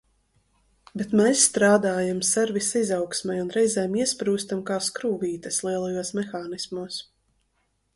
Bet mēs strādājam servisa izaugsmei un reizēm iesprūstam kā skrūvītes lielajos mehānismos.